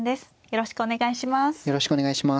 よろしくお願いします。